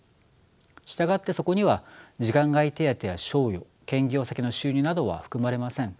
従ってそこには時間外手当や賞与兼業先の収入などは含まれません。